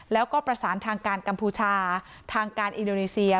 แล้วก็ประสานทางการกัมพูชาทางการอินโดนีเซีย